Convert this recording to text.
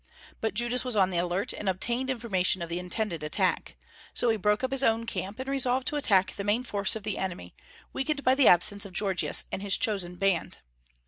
But Judas was on the alert, and obtained information of the intended attack. So he broke up his own camp, and resolved to attack the main force of the enemy, weakened by the absence of Gorgias and his chosen band.